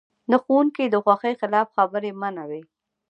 د ښوونکي د خوښې خلاف خبرې منع وې.